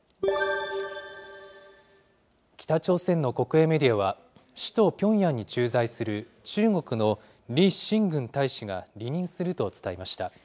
北朝鮮の国営メディアは、首都ピョンヤンに駐在する中国の李進軍大使が離任すると伝えました。